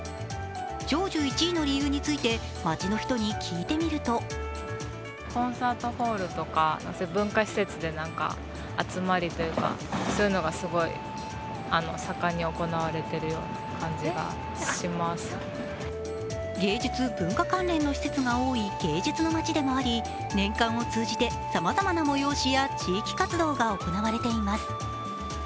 長寿１位の理由について街に人に聞いてみると芸術・文化関連の施設が多い芸術の街でもあり年間を通じてさまざまな催しや地域活動が行われています。